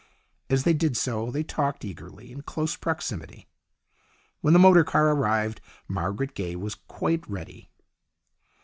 As they did so they talked eagerly, in close proximity. When the motor car arrived Margaret Gaye was quite ready.